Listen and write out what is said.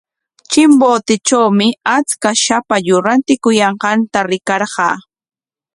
Chimbotetrawmi achka shapallu rantikuyanqanta rikarqaa.